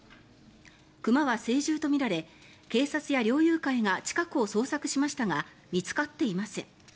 熊は成獣とみられ警察と猟友会が近くを捜索しましたが見つかっていません。